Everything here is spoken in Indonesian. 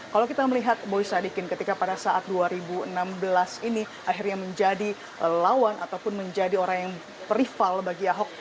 kalau kita melihat boy sadikin ketika pada saat dua ribu enam belas ini akhirnya menjadi lawan ataupun menjadi orang yang prival bagi ahok